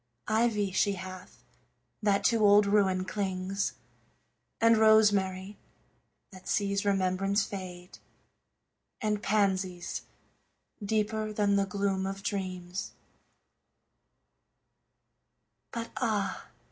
Ivy she hath, that to old ruin clings; And rosemary, that sees remembrance fade; And pansies, deeper than the gloom of dreams; But ah!